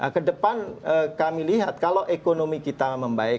kedepan kami lihat kalau ekonomi kita membaik